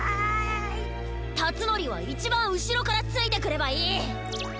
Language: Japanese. たつのりはいちばんうしろからついてくればいい。